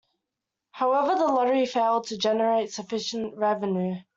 However the lottery failed to generate sufficient revenue.